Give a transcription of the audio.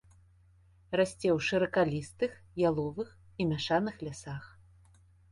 Расце ў шыракалістых, яловых і мяшаных лясах.